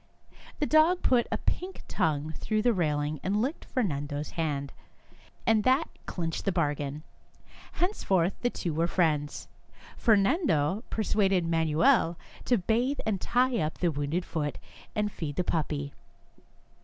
The dog put a pink tongue through the railing and licked Fernan do's hand, and that clinched the bargain. Henceforth the two were friends. Fernando persuaded Manuel to bathe and tie up the wounded foot, and feed the puppy.